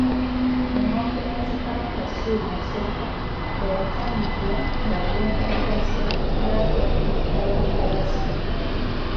Engombe ya Ssekabaka Ssuuna I we yayatikira ng’agenda e Kiziba-Karagwe okutabaala abazira.